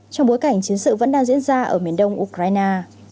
trong bối cảnh chiến sự vẫn đang diễn ra ở miền đông ukraine